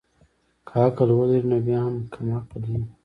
که عقل ولري نو بيا هم کم عقل يي